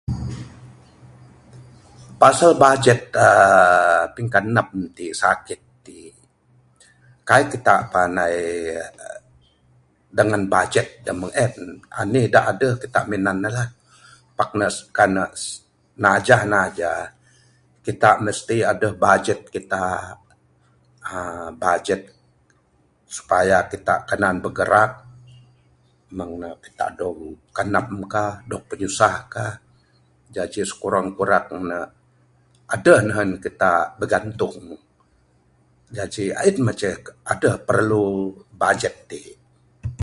Pasal bajet, uhh pingkandam ti'k, sakit ti'k. Kai'k kitak pandai dengan bajet da mung en. Anih da aduh, kita'k minan ne lah. Pak ne kan ne, najah najah, kitak mesti aduh bajet kitak, uhh bajet supaya kitak kenan begerak. Mung ne kitak dog kandam kah, dog pinyusahkah. Jadi sekurang kurang ne, aduh nehun kitak bergantung. Jaji ain mah ceh aduh perlu bajet ti.